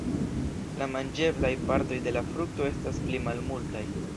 La manĝeblaj partoj de la frukto estas pli malmultaj.